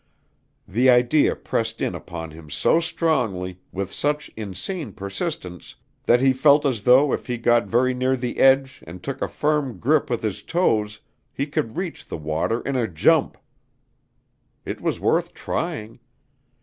The idea pressed in upon him so strongly, with such insane persistence, that he felt as though if he got very near the edge and took a firm grip with his toes, he could reach the water in a jump. It was worth trying.